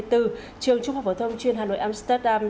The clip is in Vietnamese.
trường trung học phổ thông chuyên hà nội amsterdam